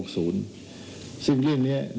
ซึ่งเรื่องนี้เนี่ย